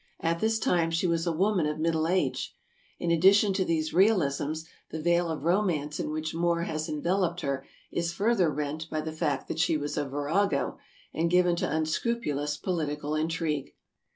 At this time she was a woman of middle age. In addition to these realisms, the veil of romance in which Moore has enveloped her is further rent by the fact that she was a virago, and given to un scrupulous political intrigue.